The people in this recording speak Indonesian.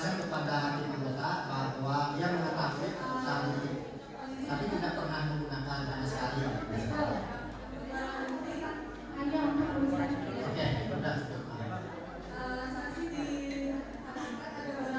apakah terdapat perubahan yang bisa dilaksanakan di antara usaha agresif